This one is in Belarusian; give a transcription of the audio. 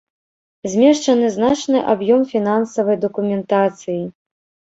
Змешчаны значны аб'ём фінансавай дакументацыі.